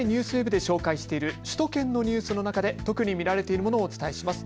ＮＨＫＮＥＷＳＷＥＢで紹介している首都圏のニュースの中で特に見られているものをお伝えします。